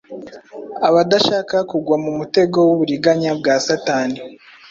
abadashaka kugwa mu mutego w’uburiganya bwa satani